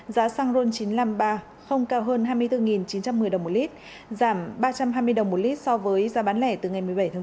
giá xăng ron chín trăm năm mươi ba không cao hơn hai mươi bốn chín trăm một mươi đồng một lít giảm ba trăm hai mươi đồng một lít so với giá bán lẻ từ ngày một mươi bảy tháng bốn